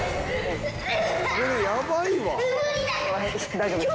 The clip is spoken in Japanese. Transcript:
大丈夫です。